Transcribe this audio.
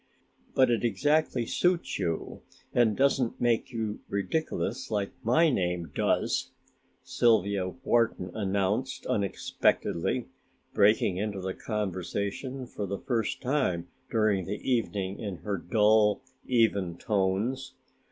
"But it exactly suits you and doesn't make you ridiculous like my name does me!" Sylvia Wharton announced unexpectedly, breaking into the conversation for the first time during the evening in her dull, even tones.